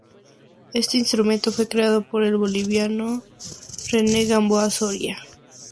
Este instrumento fue creado por el boliviano Rene Gamboa Soria.